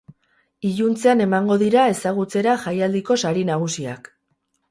Iluntzean emango dira ezagutzera jaialdiko sari nagusiak.